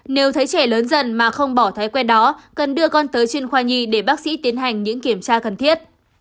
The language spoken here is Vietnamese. nếu thấy trẻ lớn dần mà không bỏ thói quen đó cần đưa con tới chuyên khoa nhi để bác sĩ tiến hành những kiểm tra cần thiết